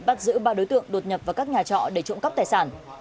bắt giữ ba đối tượng đột nhập vào các nhà trọ để trộm cắp tài sản